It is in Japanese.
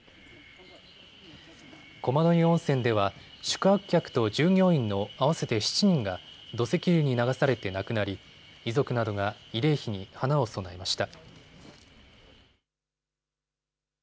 駒の湯温泉では宿泊客と従業員の合わせて７人が土石流に流されて亡くなり遺族などが慰霊碑に花を供えました。